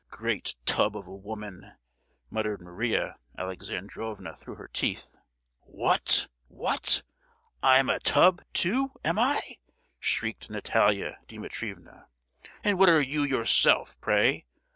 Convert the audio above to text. ——" "Great tub of a woman!" muttered Maria Alexandrovna through her teeth. "What! what! I'm a tub, too, am I?" shrieked Natalia Dimitrievna. "And what are you yourself, pray?